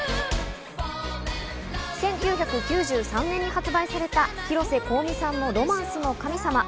１９９３年に発売された広瀬香美さんの『ロマンスの神様』。